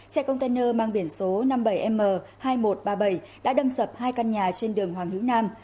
xe container mang biển số năm mươi bảy m hai nghìn một trăm ba mươi bảy đã đâm sập hai căn nhà trên đường hoàng hữu nam